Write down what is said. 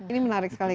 ini menarik sekali